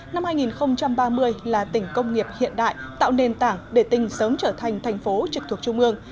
năm hai nghìn ba mươi là tỉnh công nghiệp hiện đại tạo nền tảng để tỉnh sớm trở thành thành phố trực thuộc trung ương